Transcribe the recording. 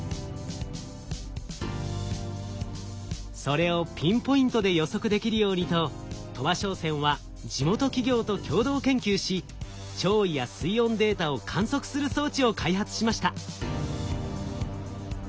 それをピンポイントで予測できるようにと鳥羽商船は地元企業と共同研究し潮位や水温データを観測する装置を開発しました。